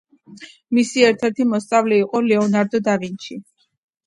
მისი ერთ-ერთი მოსწავლე იყო ლეონარდო და ვინჩი.